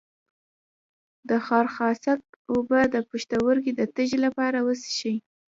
د خارخاسک اوبه د پښتورګو د تیږې لپاره وڅښئ